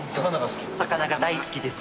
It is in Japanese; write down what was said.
魚が大好きです。